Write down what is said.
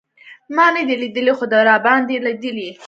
ما نه دی لېدلی خو ده راباندې لېدلی.